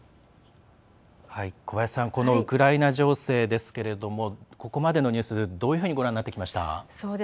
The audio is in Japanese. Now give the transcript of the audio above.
このウクライナ情勢ですがここまでのニュースどういうふうにご覧になってきました？